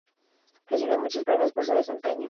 Recibió muchos premios por su desempeño.